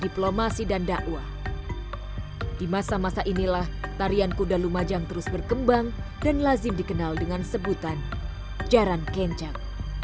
pada masa masa inilah tarian kuda lumajang terus berkembang dan lazim dikenal dengan sebutan jaran kencak